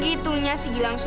aku mau pergi dulu